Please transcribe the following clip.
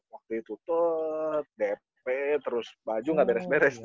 waktu itu tek dp terus baju gak beres beres